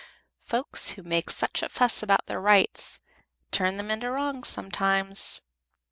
Folks who make such a fuss about their rights turn them into wrongs sometimes."